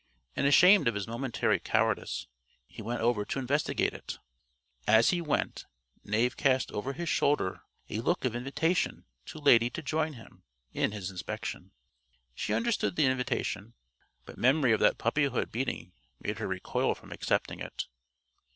And ashamed of his momentary cowardice, he went over to investigate it. As he went, Knave cast over his shoulder a look of invitation to Lady to join him in his inspection. She understood the invitation, but memory of that puppyhood beating made her recoil from accepting it.